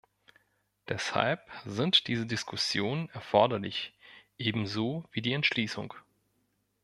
Deshalb sind diese Diskussionen erforderlich, ebenso wie die Entschließung.